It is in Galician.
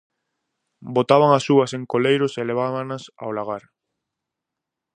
Botaban as uvas en coleiros e levábanas ao lagar.